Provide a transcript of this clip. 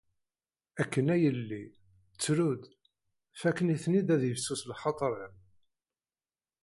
Akken a yelli, ttru-d, fakk-iten-id ad yifsus lxaṭer-im.